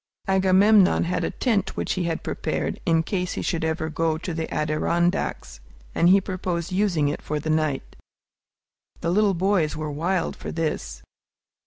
Agamemnon had a tent which he had provided in case he should ever go to the Adirondacks, and he proposed using it for the night. The little boys were wild for this.